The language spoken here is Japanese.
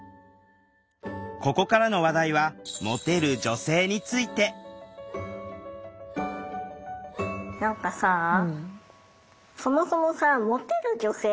ここからの話題はモテる女性について何かさあモテる女性？